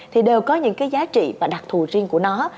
thì đều có những cái giá trị và đặc thù riêng của nó